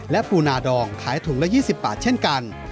และปูนาดองขายถุงละ๒๐บาทเช่นกัน